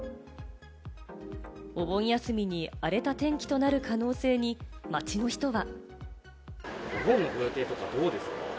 お盆休みに荒れた天気となる可能性に街の人は。